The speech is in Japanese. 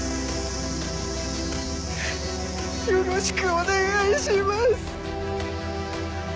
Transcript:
よろしくお願いします！